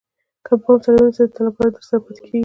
که په پام سره یې ونیسئ د تل لپاره درسره پاتې کېږي.